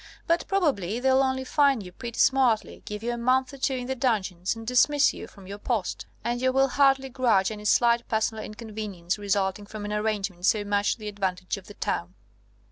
But probably they'll only fine you pretty smartly, give you a month or two in the dungeons, and dismiss you from your post; and you will hardly grudge any slight personal inconvenience resulting from an arrangement so much to the advantage of the town."